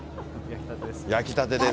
焼きたてです。